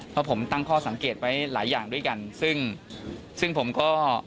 เพราะผมตั้งข้อสังเกตไว้หลายอย่างด้วยกันซึ่งซึ่งผมก็